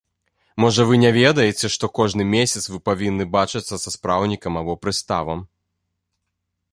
Можа, вы не ведаеце, што кожны месяц вы павінны бачыцца са спраўнікам або прыставам?